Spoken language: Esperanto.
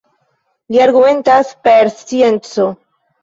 Li argumentas per scienco.